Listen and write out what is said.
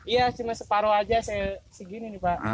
iya cuma separoh saja segini